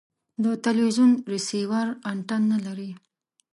د تلوزیون ریسیور انتن نلري